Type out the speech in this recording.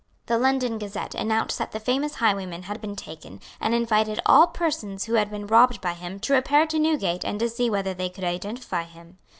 The London Gazette announced that the famous highwayman had been taken, and invited all persons who had been robbed by him to repair to Newgate and to see whether they could identify him.